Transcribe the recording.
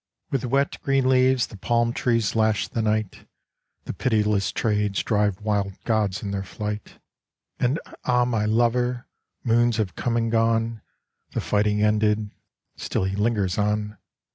With wet, green leaves the palm trees lash the night, The pitiless trades drive wild gods in their flight. And, ah, my lover! Moons have come and gone, The fighting ended, still he lingers on.